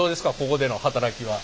ここでの働きは。